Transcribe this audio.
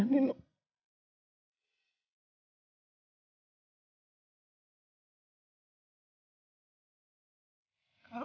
adalah ratunya mino